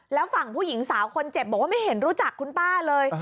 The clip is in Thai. แล้วฝั่งผู้หญิงสาวคนเจ็บบอกว่าไม่เห็นรู้จักคุณป้าเลย